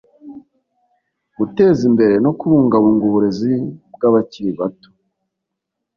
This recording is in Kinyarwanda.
guteza imbere no kubungabunga uburezi bw'abakiri bato